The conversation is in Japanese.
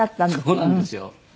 そうなんですよ。